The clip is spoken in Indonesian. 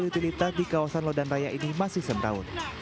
tapi kabel utilitas di kawasan lodan raya ini masih semraut